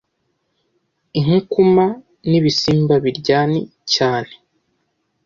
inkukuma n'ibisimba biryani cyane